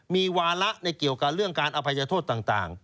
มีวาระเกี่ยวกันเรื่องการอภัยธนศาลต่าง